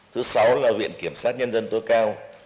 thứ sáu là viện kiểm sát nhân dân tối cao